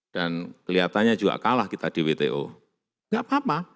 dan kelihatannya juga kalah kita di wto enggak apa apa